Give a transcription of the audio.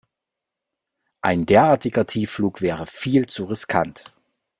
Ein derartiger Tiefflug wäre viel zu riskant.